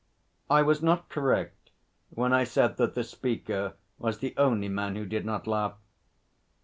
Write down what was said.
I was not correct when I said that the Speaker was the only man who did not laugh.